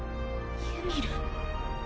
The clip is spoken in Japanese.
ユミル。